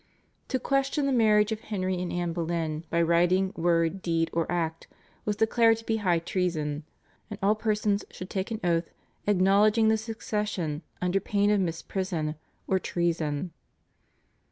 To question the marriage of Henry with Anne Boleyn by writing, word, deed, or act was declared to be high treason, and all persons should take an oath acknowledging the succession under pain of misprision of treason.